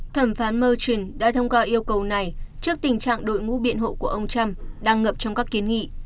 thẩm phán murchon đã thông qua yêu cầu này trước tình trạng đội ngũ biện hộ của ông trump đang ngập trong các kiến nghị